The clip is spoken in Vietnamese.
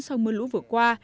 sau mưa lũ vừa qua